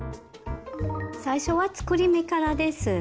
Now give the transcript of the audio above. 最初は作り目からです。